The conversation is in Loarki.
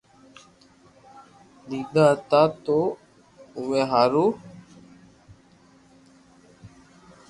ديدا ھتا تو اووہ ھارو